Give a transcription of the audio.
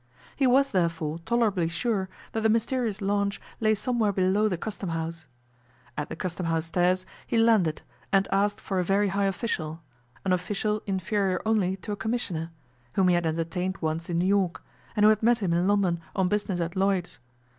He was, therefore, tolerably sure that the mysterious launch lay somewhere below the Custom House. At the Custom House stairs, he landed, and asked for a very high official an official inferior only to a Commissioner whom he had entertained once in New York, and who had met him in London on business at Lloyd's.